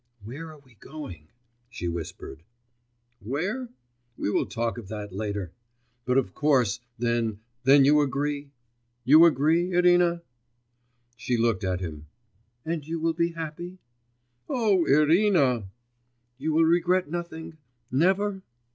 'Where are we going?' she whispered. 'Where? We will talk of that later. But, of course, then ... then you agree? you agree, Irina?' She looked at him. 'And you will be happy?' 'O Irina!' 'You will regret nothing? Never?